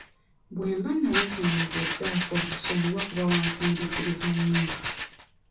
Bwe mba nali nkunyiizizaako nsonyiwa kuba wansindikiriza nnyo.